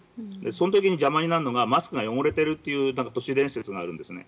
その時に邪魔になるのがマスクが汚れているという都市伝説があるんですね。